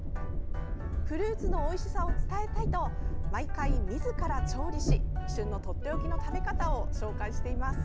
フルーツのおいしさを伝えたいと毎回、みずから調理し旬のとっておきの食べ方を紹介しています。